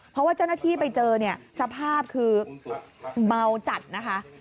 เพราะว่าเจ้าหน้าที่ไปเจอเนี่ยสภาพคือเมาจัดนะคะ